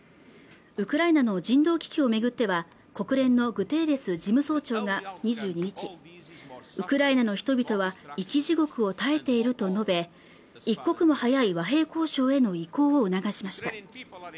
ウクライナの人道危機を巡っては国連のグテーレス事務総長が２２日ウクライナの人々は生き地獄を耐えていると述べ一刻も早い和平交渉への移行を促しました